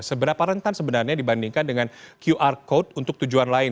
seberapa rentan sebenarnya dibandingkan dengan qr code untuk tujuan lain